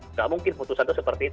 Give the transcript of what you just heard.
nggak mungkin putusan itu seperti itu